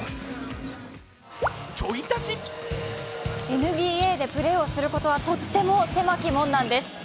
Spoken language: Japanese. ＮＢＡでプレーをすることはとっても狭き門なんです。